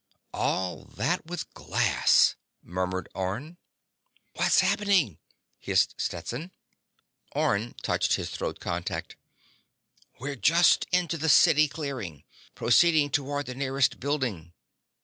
"All that with glass," murmured Orne. "What's happening?" hissed Stetson. Orne touched his throat contact. _"We're just into the city clearing, proceeding toward the nearest building."